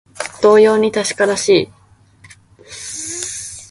同様に確からしい